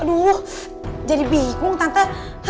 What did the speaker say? aduh jadi bingung tante